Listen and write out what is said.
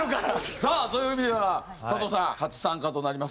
さあそういう意味では佐藤さん初参加となります